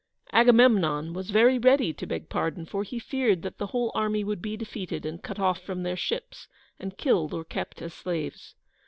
Agamemnon was very ready to beg pardon, for he feared that the whole army would be defeated, and cut off from their ships, and killed or kept as slaves.